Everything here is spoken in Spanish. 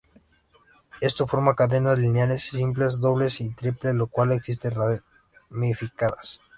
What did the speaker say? Esto forma cadenas lineales simples dobles y triple lo cual existe ramificadas.